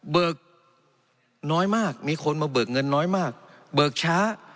กน้อยมากมีคนมาเบิกเงินน้อยมากเบิกช้า